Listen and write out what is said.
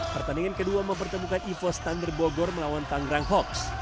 pertandingan ke dua mempertemukan evos thunder bogor melawan tanggrang hawks